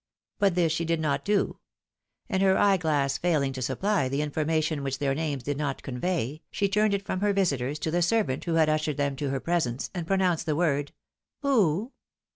But this she did not do ; and her eye glass failing to supply the information which their names did not convey, she turned it from her visitors to the servant who had ushered them to her presence, and pronounced the word, " Who